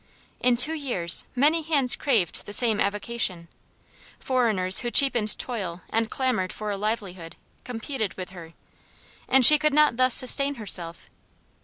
In two years many hands craved the same avocation; foreigners who cheapened toil and clamored for a livelihood, competed with her, and she could not thus sustain herself.